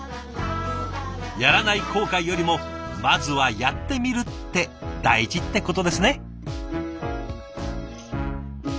やらない後悔よりもまずはやってみるって大事ってことですね。